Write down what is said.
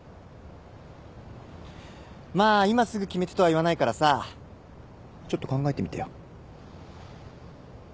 まあ今すぐ決めてとは言わないからさちょっと考えてみてよ。